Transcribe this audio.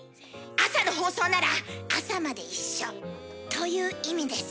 朝の放送なら朝まで一緒という意味です。